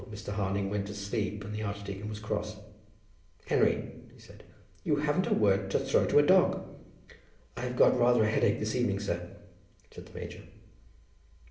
Old Mr. Harding went to sleep and the archdeacon was cross. "Henry," he said, "you haven't a word to throw to a dog." "I've got rather a headache this evening, sir," said the major.